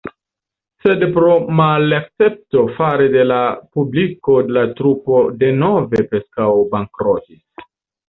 Sed pro malakcepto fare de la publiko la trupo denove preskaŭ bankrotis.